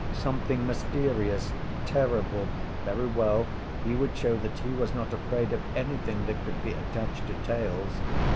Something mysterious, terrible. Very well, he would show that he was not afraid of anything that could be attached to tails.